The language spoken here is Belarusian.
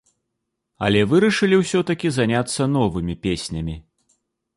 Але вырашылі ўсё-такі заняцца новымі песнямі.